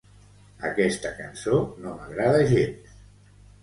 Aquesta cançó no m'agrada gens.